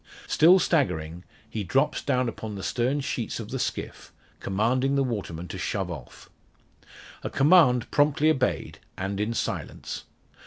Still staggering, he drops down upon the stern sheets of the skiff, commanding the waterman to shove off. A command promptly obeyed, and in silence.